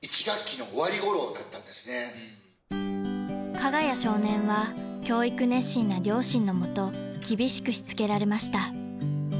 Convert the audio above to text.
［加賀谷少年は教育熱心な両親のもと厳しくしつけられました］